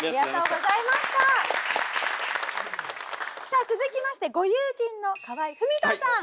さあ続きましてご友人の河合郁人さん